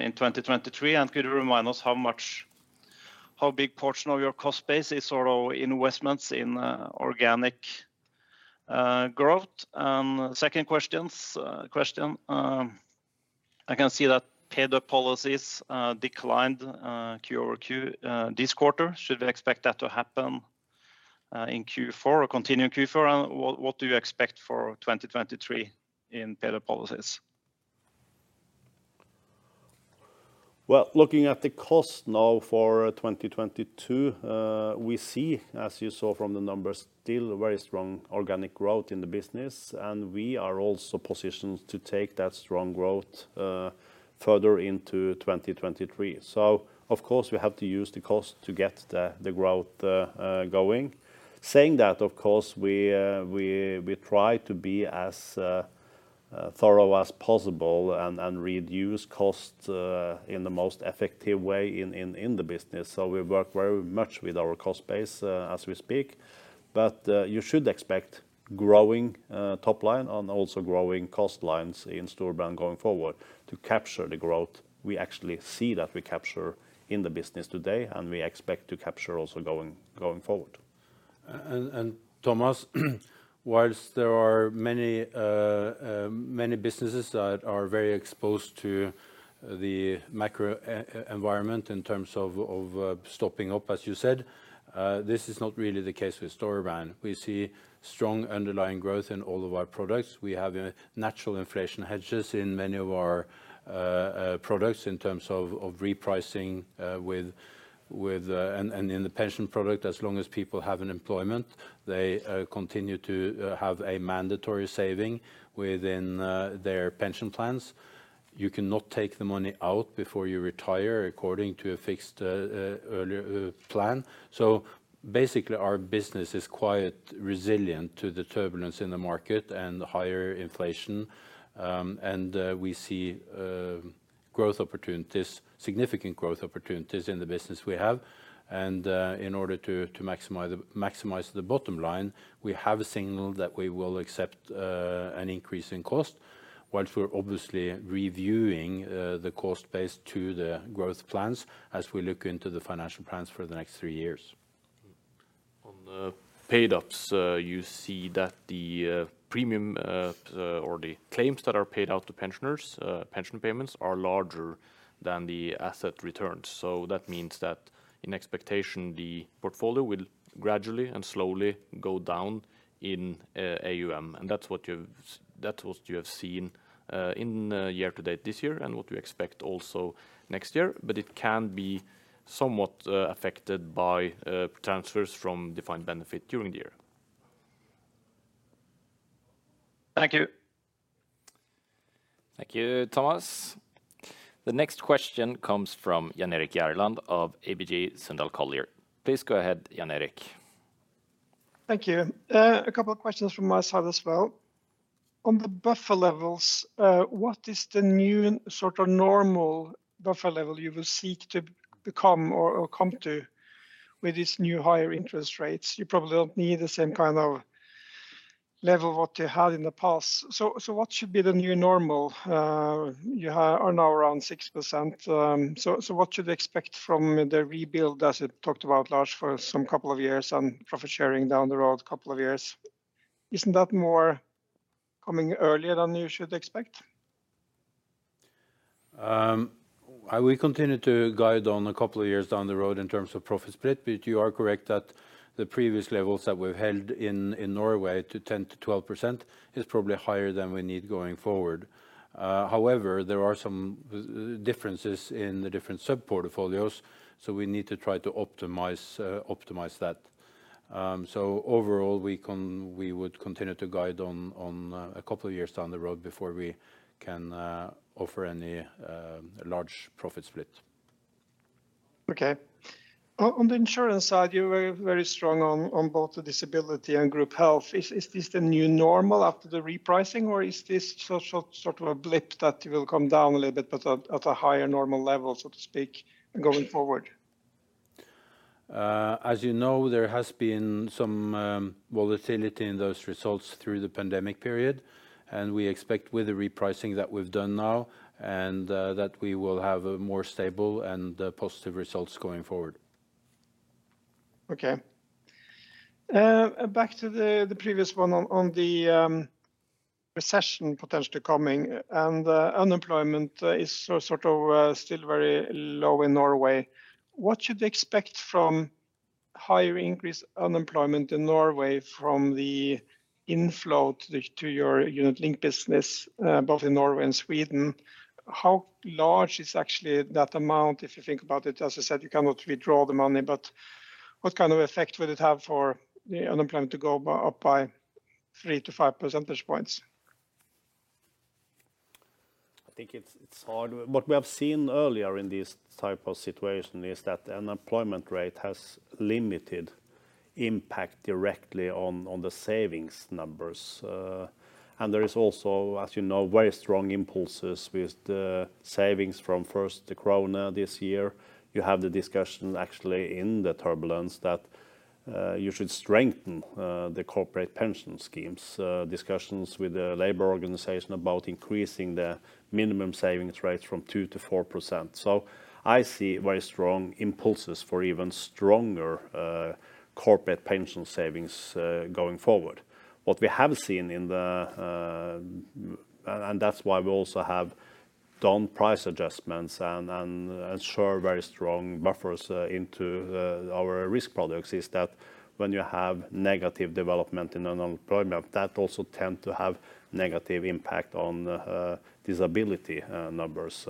in 2023? And could you remind us how much, how big portion of your cost base is, sort of, investments in organic growth? Second question, I can see that paid-up policies declined quarter-over-quarter this quarter. Should we expect that to happen in Q4 or continue in Q4? And what do you expect for 2023 in paid-up policies? Well, looking at the cost now for 2022, we see, as you saw from the numbers, still very strong organic growth in the business, and we are also positioned to take that strong growth further into 2023. Of course, we have to use the cost to get the growth going. Saying that, of course, we try to be as thorough as possible and reduce cost in the most effective way in the business. We work very much with our cost base as we speak. You should expect growing top line and also growing cost lines in Storebrand going forward to capture the growth we actually see that we capture in the business today and we expect to capture also going forward. Thomas, while there are many businesses that are very exposed to the macro environment in terms of stepping up, as you said, this is not really the case with Storebrand. We see strong underlying growth in all of our products. We have a natural inflation hedges in many of our products in terms of repricing. In the pension product, as long as people have an employment, they continue to have a mandatory saving within their pension plans. You cannot take the money out before you retire according to a fixed plan. Basically, our business is quite resilient to the turbulence in the market and the higher inflation. We see growth opportunities, significant growth opportunities in the business we have. In order to maximize the bottom line, we have signaled that we will accept an increase in cost, while we're obviously reviewing the cost base to the growth plans as we look into the financial plans for the next three years. On the paid-ups, you see that the premium or the claims that are paid out to pensioners, pension payments are larger than the asset returns. That means that in expectation, the portfolio will gradually and slowly go down in AUM, and that's what you have seen in year to date this year and what we expect also next year. It can be somewhat affected by transfers from defined benefit during the year. Thank you. Thank you, Thomas. The next question comes from Jan Erik Gjerland of ABG Sundal Collier. Please go ahead, Jan Erik. Thank you. A couple of questions from my side as well. On the buffer levels, what is the new sort of normal buffer level you will seek to become or come to with these new higher interest rates? You probably don't need the same kind of level that you had in the past. What should be the new normal? You are now around 6%, what should we expect from the rebuild, as you talked about, Lars, for some couple of years on profit sharing down the road a couple of years? Isn't that more coming earlier than you should expect? I will continue to guide on a couple of years down the road in terms of profit split, but you are correct that the previous levels that we've held in Norway to 10%-12% is probably higher than we need going forward. However, there are some differences in the different sub-portfolios, so we need to try to optimize that. Overall we would continue to guide on a couple of years down the road before we can offer any large profit split. Okay. On the insurance side, you were very strong on both the disability and group health. Is this the new normal after the repricing, or is this sort of a blip that will come down a little bit but at a higher normal level, so to speak, going forward? As you know, there has been some volatility in those results through the pandemic period, and we expect with the repricing that we've done now and that we will have a more stable and positive results going forward. Okay. Back to the previous one on the recession potentially coming and unemployment is so sort of still very low in Norway. What should we expect from higher increased unemployment in Norway from the inflow to your unit link business both in Norway and Sweden? How large is actually that amount if you think about it? As you said, you cannot withdraw the money, but what kind of effect would it have for the unemployment to go up by 3-5 percentage points? I think it's hard. What we have seen earlier in this type of situation is that unemployment rate has limited impact directly on the savings numbers. There is also, as you know, very strong impulses with the savings from first the corona this year. You have the discussion actually in the turbulence that you should strengthen the corporate pension schemes, discussions with the labor organization about increasing the minimum savings rate from 2%-4%. I see very strong impulses for even stronger corporate pension savings going forward. That's why we also have done price adjustments and ensure very strong buffers into our risk products, is that when you have negative development in unemployment, that also tend to have negative impact on the disability numbers.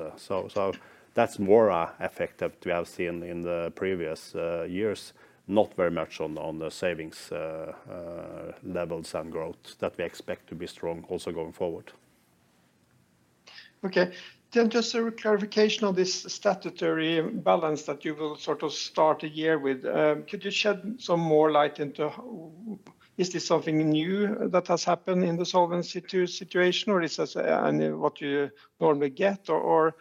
That's more effective to have seen in the previous years, not very much on the savings levels and growth that we expect to be strong also going forward. Okay. Just a clarification on this statutory balance that you will sort of start the year with. Could you shed some more light into is this something new that has happened in the Solvency II situation, or is this what you normally get, or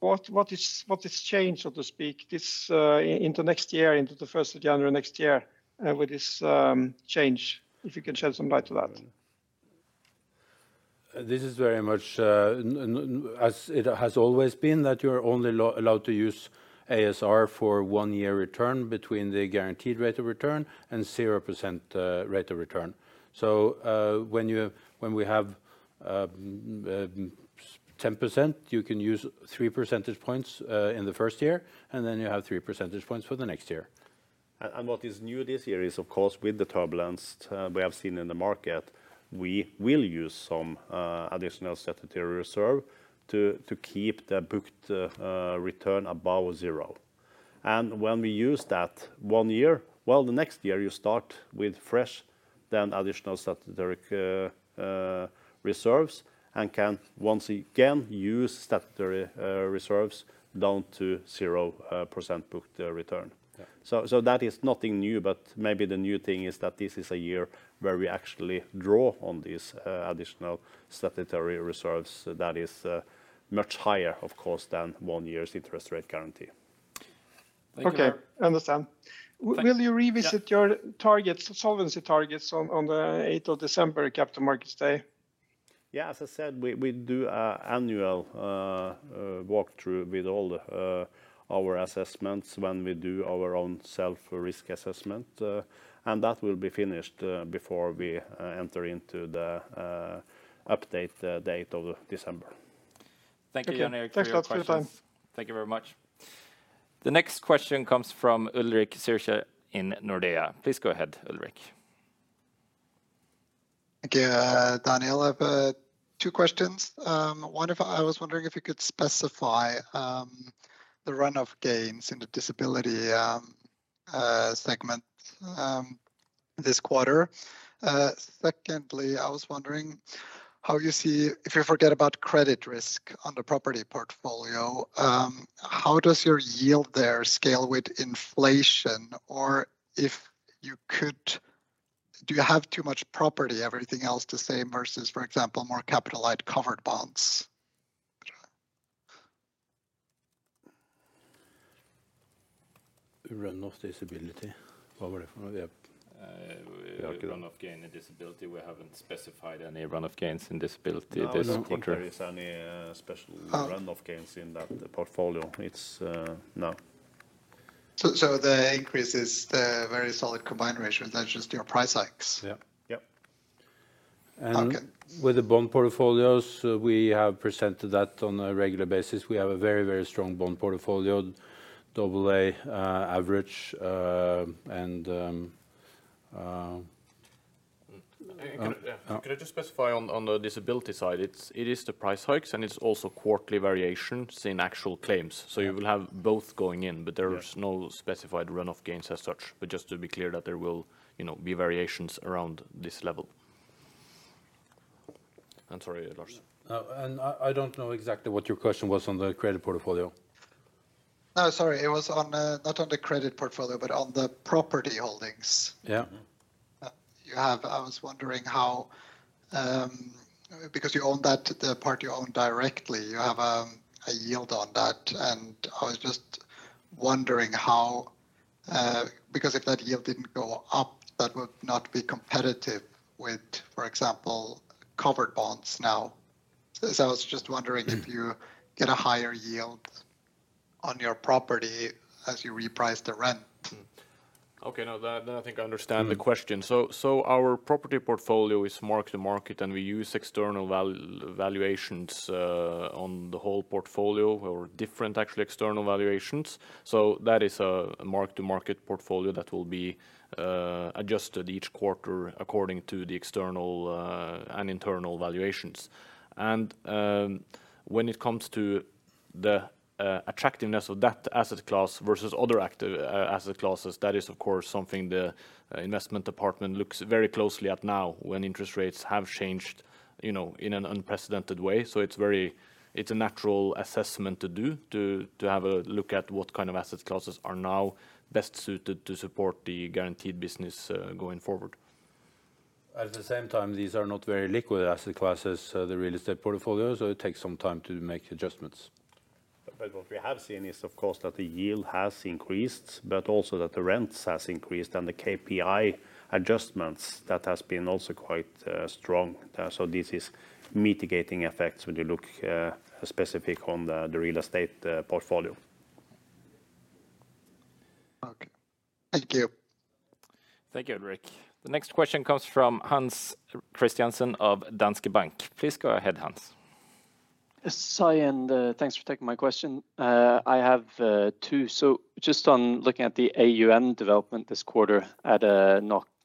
what is changed, so to speak, into next year, into the 1st of January next year, with this change? If you can shed some light to that. This is very much as it has always been, that you're only allowed to use ASR for one year return between the guaranteed rate of return and 0% rate of return. When we have 10%, you can use 3 percentage points in the first year, and then you have 3 percentage points for the next year. What is new this year is of course with the turbulence we have seen in the market, we will use some additional statutory reserves to keep the booked return above zero. When we use that one year, well, the next year you start with fresh then additional statutory reserves and can once again use statutory reserves down to 0% booked return. Yeah. that is nothing new, but maybe the new thing is that this is a year where we actually draw on these additional statutory reserves that is much higher of course than one year's interest rate guarantee. Okay. Thank you. Understand. Will you revisit your targets, solvency targets on the 8th of December Capital Markets Day? Yeah, as I said, we do an annual walkthrough with all our assessments when we do our ORSA. That will be finished before we enter into the update date of December. Thank you, Jan Erik, for your questions. Thanks a lot for your time. Thank you very much. The next question comes from Ulrik Zürcher in Nordea. Please go ahead, Ulrik. Thank you, Daniel. I've two questions. I was wondering if you could specify the run-off gains in the disability? Second, I was wondering how you see if you forget about credit risk on the property portfolio, how does your yield there scale with inflation? Or if you could, do you have too much property, everything else to say, versus, for example, more capitalized covered bonds? Run-off disability. What was it from? Yeah. Run-off gain and disability, we haven't specified any run-off gains in disability this quarter. No, I don't think there is any special run-off gains in that portfolio. No. The increase is the very solid combined ratio. That's just your price hikes. Yeah. Yep. Okay. With the bond portfolios, we have presented that on a regular basis. We have a very, very strong bond portfolio, double A average. Can I just specify on the disability side, it is the price hikes, and it's also quarterly variations in actual claims. You will have both going in, but there is no specified run-off gains as such. Just to be clear that there will, you know, be variations around this level. I'm sorry, Lars. No. I don't know exactly what your question was on the credit portfolio. No, sorry. It was on, not on the credit portfolio, but on the property holdings. Yeah I was wondering how, because you own that, the part you own directly, you have a yield on that? I was just wondering how, because if that yield didn't go up, that would not be competitive with, for example, covered bonds now. I was just wondering if you get a higher yield on your property as you reprice the rent? Okay. Now that, then I think I understand the question. Our property portfolio is mark-to-market, and we use external valuations on the whole portfolio or different actually external valuations. That is a mark-to-market portfolio that will be adjusted each quarter according to the external and internal valuations. When it comes to the attractiveness of that asset class versus other asset classes, that is of course something the investment department looks very closely at now when interest rates have changed, you know, in an unprecedented way. It's a natural assessment to do to have a look at what kind of asset classes are now best suited to support the guaranteed business going forward. At the same time, these are not very liquid asset classes, the real estate portfolio, so it takes some time to make adjustments. What we have seen is of course that the yield has increased, but also that the rents has increased and the KPI adjustments that has been also quite strong. This is mitigating effects when you look specific on the real estate portfolio. Okay. Thank you. Thank you, Ulrik. The next question comes from Hans Christiansen of Danske Bank. Please go ahead, Hans. Hi, thanks for taking my question. I have two. Just on looking at the AUM development this quarter at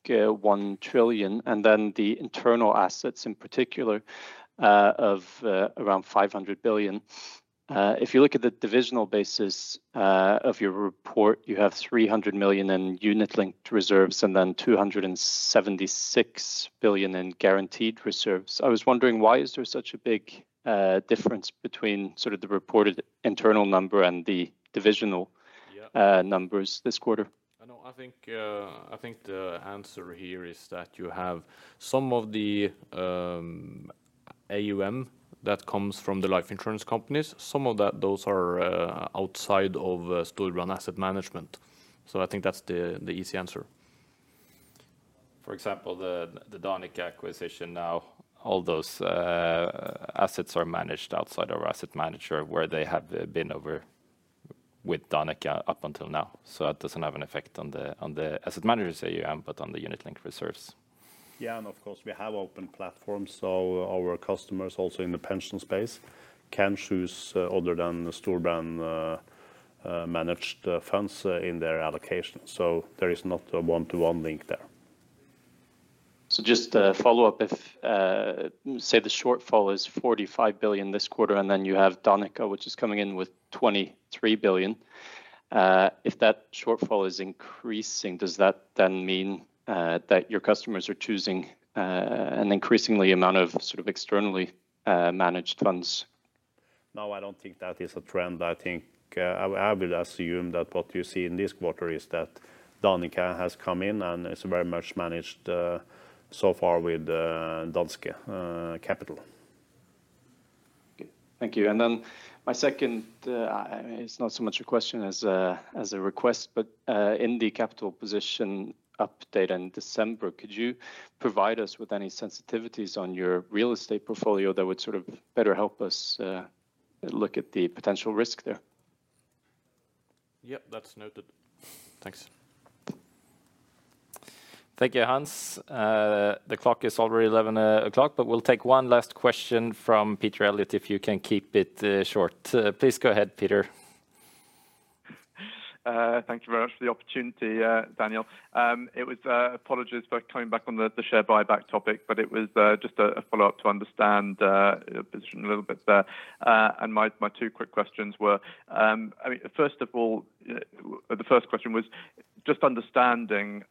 1 trillion, and then the internal assets in particular of around 500 billion. If you look at the divisional basis of your report, you have 300 million in Unit Linked reserves and then 276 billion in guaranteed reserves. I was wondering why is there such a big difference between sort of the reported internal number and the divisional- Yeah numbers this quarter? No, I think the answer here is that you have some of the AUM that comes from the life insurance companies. Some of that, those are outside of Storebrand Asset Management. I think that's the easy answer. For example, the Danica acquisition now, all those assets are managed outside our asset manager, where they have been over with Danica up until now. That doesn't have an effect on the asset manager's AUM, but on the Unit Linked reserves. Yeah. Of course, we have open platforms, so our customers also in the pension space can choose other than the Storebrand managed funds in their allocation. There is not a one-to-one link there. Just a follow-up. If, say the shortfall is 45 billion this quarter, and then you have Danica, which is coming in with 23 billion. If that shortfall is increasing, does that then mean, that your customers are choosing, an increasingly amount of sort of externally, managed funds? No, I don't think that is a trend. I think I will assume that what you see in this quarter is that Danica has come in and is very much managed so far with Danske Capital. Okay. Thank you. My second, it's not so much a question as a request, but in the capital position update in December, could you provide us with any sensitivities on your real estate portfolio that would sort of better help us look at the potential risk there? Yep, that's noted. Thanks. Thank you, Hans. The clock is already 11:00 A.M. but we'll take one last question from Peter Eliot, if you can keep it short. Please go ahead, Peter. Thank you very much for the opportunity, Daniel. It was apologies for coming back on the share buyback topic, but it was just a follow-up to understand position a little bit there. My two quick questions were, I mean, first of all, the first question was Just understanding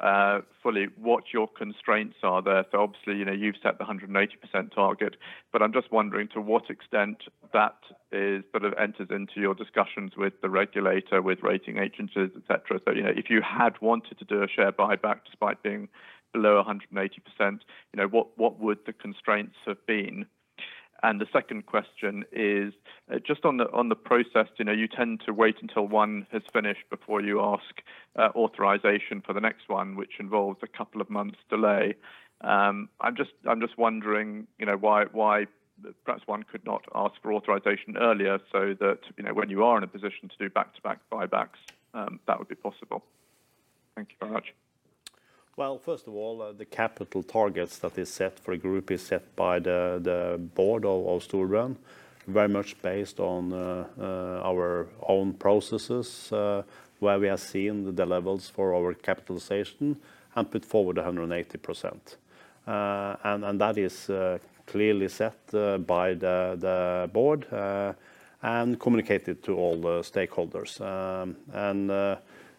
fully what your constraints are there. So obviously, you know, you've set the 180% target, but I'm just wondering to what extent that is sort of enters into your discussions with the regulator, with rating agencies, et cetera. So, you know, if you had wanted to do a share buyback despite being below 180%, you know, what would the constraints have been? And the second question is just on the process. You know, you tend to wait until one has finished before you ask authorization for the next one, which involves a couple of months delay. I'm just wondering, you know, why perhaps one could not ask for authorization earlier so that, you know, when you are in a position to do back-to-back buybacks, that would be possible? Thank you very much. Well, first of all, the capital targets that is set for a group is set by the board of Storebrand, very much based on our own processes, where we have seen the levels for our capitalization and put forward 180%. That is clearly set by the board and communicated to all the stakeholders.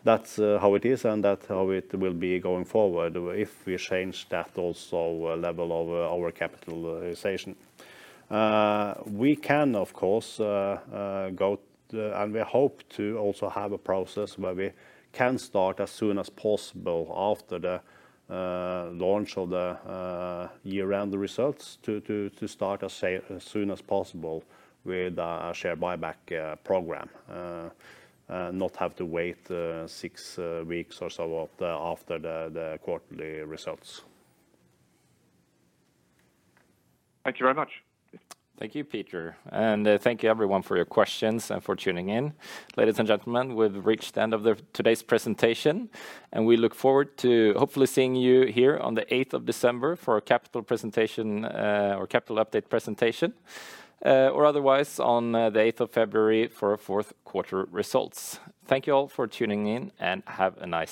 That's how it is and that's how it will be going forward if we change that also level of our capitalization. We can of course go and we hope to also have a process where we can start as soon as possible after the launch of the year-end results to start as soon as possible with a share buyback program. Not have to wait six weeks or so after the quarterly results. Thank you very much. Thank you, Peter, and thank you everyone for your questions and for tuning in. Ladies and gentlemen, we've reached the end of today's presentation, and we look forward to hopefully seeing you here on the 8th of December for a Capital presentation, or Capital Update presentation, or otherwise on the 8th of February for our fourth quarter results. Thank you all for tuning in, and have a nice day.